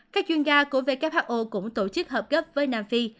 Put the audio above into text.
các chuyên gia của who cũng tổ chức hợp gấp với nam phi